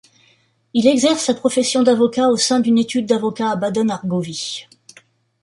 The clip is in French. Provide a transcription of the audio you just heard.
Il exerce la profession d'avocat au sein d'une études d'avocat à Baden, Argovie.